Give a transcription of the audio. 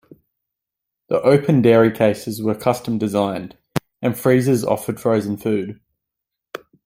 The open dairy cases were custom designed, and freezers offered frozen food.